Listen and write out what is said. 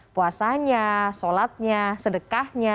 puasanya sholatnya sedekahnya